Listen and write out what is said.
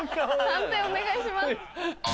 判定お願いします。